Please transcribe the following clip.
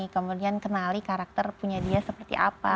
kemudian kenali karakter punya dia seperti apa